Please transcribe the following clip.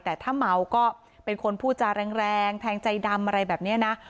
แต่ถ้าเมาก็เป็นคนพูดจาแรงแทงใจดำอะไรแบบนี้นะ